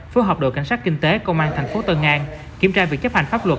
phối hợp đội cảnh sát kinh tế công an tp tân an kiểm tra việc chấp hành pháp luật